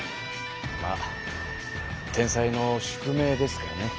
まあ天才の宿命ですかね。